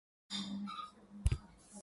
Yna, fe wynebwn ni e'.